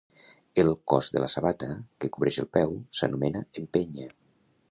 El cos de la sabata, que cobreix el peu, s'anomena empenya.